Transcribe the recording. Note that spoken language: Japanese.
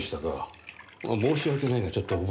申し訳ないがちょっと覚えが。